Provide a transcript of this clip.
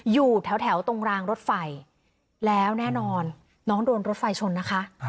อยู่แถวตรงรางรถไฟแล้วแน่นอนน้องโดนรถไฟชนนะคะ